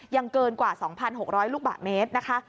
ยังเกินกว่า๒๖๐๐ลูกแบบเมตรนะคะ